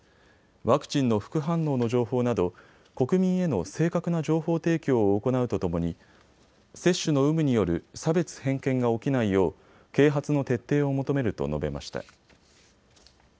ワクチンの副反応の情報など国民への正確な情報提供を行うとともに接種の有無による差別偏見が起きないよう啓発の徹底を求めると述べました。